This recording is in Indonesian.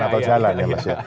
atau jalan ya mas ya